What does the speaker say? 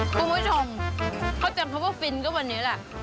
คุณผู้ชมเพราะฉันเข้าไปฟินก็วันนี้แหละ